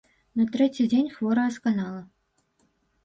На трэці дзень хворая сканала.